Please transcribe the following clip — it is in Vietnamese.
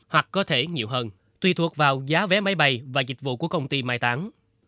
hoặc có thể nhiều hơn tùy thuộc vào giá vé máy bay và dịch vụ của công ty mai táng